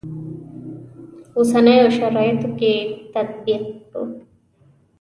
اوسنیو شرایطو کې تطبیق کړو.